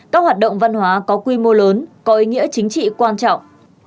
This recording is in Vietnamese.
các hoạt động văn hóa có quy mô lớn có ý nghĩa chính trị quan trọng